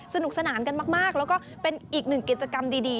สนุกสนานกันมากแล้วก็เป็นอีกหนึ่งกิจกรรมดี